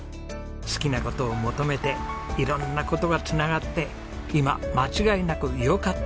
好きな事を求めて色んな事が繋がって今「間違いなくよかった」と言える。